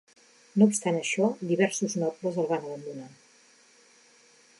No obstant això, diversos nobles el van abandonar.